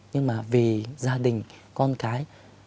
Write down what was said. nhưng mà vì gia đình con cái